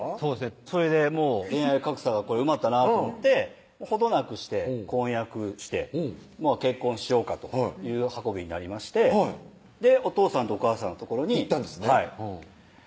それで恋愛格差が埋まったなと思って程なくして婚約して結婚しようかという運びになりましておとうさんとおかあさんの所に行ったんですね